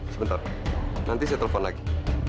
sebentar nanti saya telepon lagi